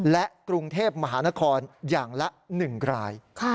และกรุงเทพมหานครอย่างละ๑ราย